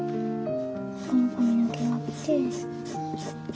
この髪の毛があって。